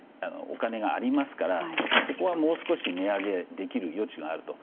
お金がありますからそこはもう少し値上げできる余地があると。